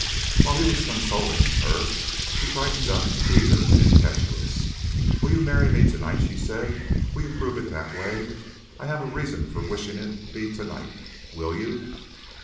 While he was consoling, her, she brightened up, eager and impetuous. "Will you marry me to night?" she said. "Will you prove it that way. I have a reason for wishing it to be to night. Will you?"